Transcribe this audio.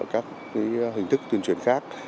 các hình thức tuyên truyền khác